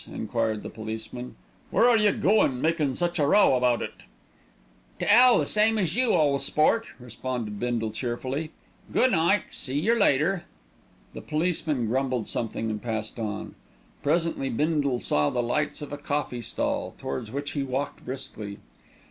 enquired the policeman. "Where are you goin', makin' such a row about it?" "To 'ell, same as you, ole sport," responded Bindle cheerfully. "Goo' night! See yer later!" The policeman grumbled something and passed on. Presently Bindle saw the lights of a coffee stall, towards which he walked briskly.